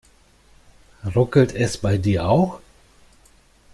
Ruckelt es bei dir auch?